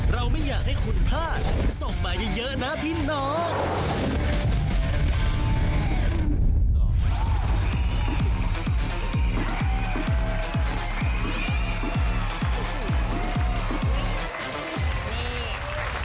เราไม่อยากให้คุณพลาดส่งมาเยอะนะพี่น้อง